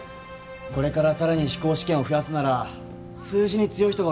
これから更に飛行試験を増やすなら数字に強い人がおると助かる。